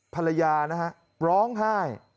ภรรยานะฮะร้องไห้